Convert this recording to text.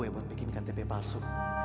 bikin kantepe palsu